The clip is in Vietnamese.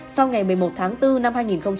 sau ngày một mươi một tháng bốn năm hai nghìn hai mươi